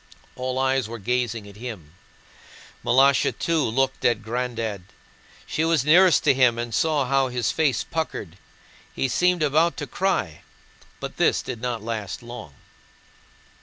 All eyes were gazing at him. Malásha too looked at "Granddad." She was nearest to him and saw how his face puckered; he seemed about to cry, but this did not last long.